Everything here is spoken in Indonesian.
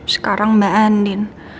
sekarang mba andin